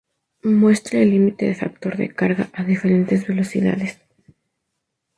Muestra el límite de factor de carga a diferentes velocidades.